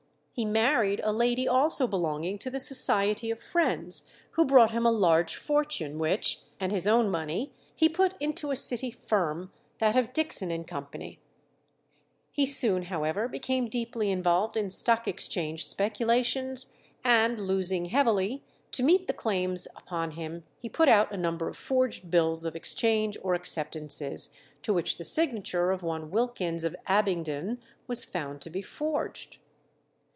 He married a lady also belonging to the Society of Friends, who brought him a large fortune, which, and his own money, he put into a city firm, that of Dickson and Co. He soon, however, became deeply involved in Stock Exchange speculations, and losing heavily, to meet the claims upon him he put out a number of forged bills of exchange or acceptances, to which the signature of one Wilkins of Abingdon was found to be forged.